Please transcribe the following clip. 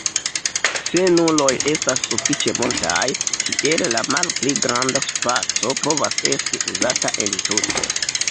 Se nuloj estas sufiĉe multaj, tiel la malpli granda spaco povas esti uzata entute.